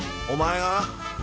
おまえが？